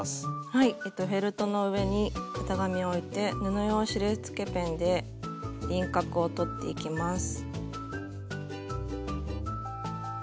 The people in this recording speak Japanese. フェルトの上に型紙を置いて布用印つけペンで輪郭をとっていきます。